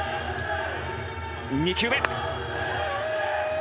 ２球目。